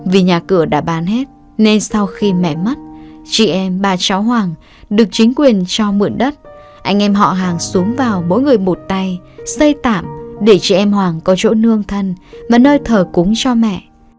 vì nhà cửa đã bán hết nên sau khi mẹ mất chị em bà cháu hoàng được chính quyền cho mượn đất anh em họ hàng xuống vào mỗi người một tay xây tạm để chị em hoàng có chỗ nương thân và nơi thờ cúng cho mẹ